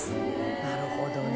なるほどな。